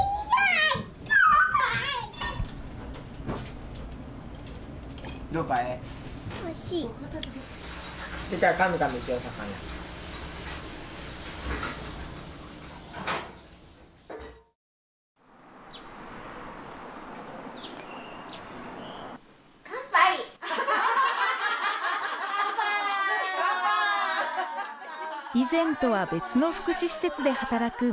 以前とは別の福祉施設で働く真理子さん。